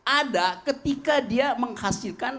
ada ketika dia menghasilkan